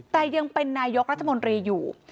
แต่ยังเป็นนายกรัฐมนตรีอยู่